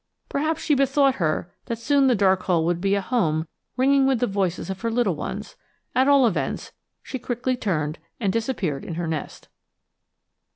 Perhaps she bethought her that soon the dark hole would be a home ringing with the voices of her little ones; at all events, she quickly turned and disappeared in her nest.